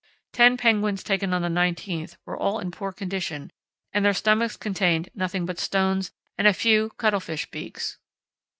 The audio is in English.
Ten penguins taken on the 19th were all in poor condition, and their stomachs contained nothing but stones and a few cuttle fish beaks.